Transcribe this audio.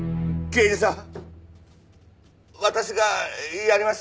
刑事さん！